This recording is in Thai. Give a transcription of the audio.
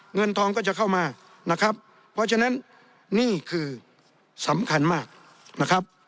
เงินทองก็จะเข้ามานะครับเพราะฉะนั้นนี่คือสำคัญมากนะครับ